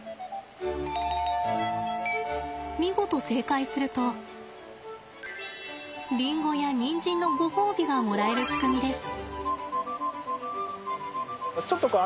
見事正解するとリンゴやニンジンのごほうびがもらえる仕組みです。